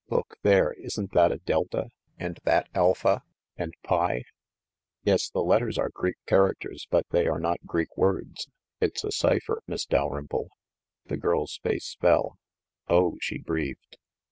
Look there — isn't that a Delta, and that Alpha and Pi?" "Yes, the letters are Greek characters, but they are not Greek words. It's a cipher, Miss Dalrymple." The girl's face fell. "Oh !" she breathed.